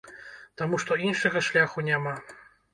Таму што іншага шляху няма.